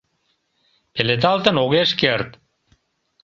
Пеледалтын огеш керт.